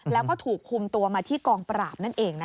แล้วก็ถูกคุมตัวมาที่กองปราบนั่นเอง